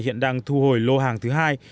hiện đang thu hồi lô hàng thứ hai